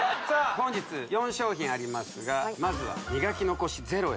本日４商品ありますがまずは「磨き残しゼロへ！」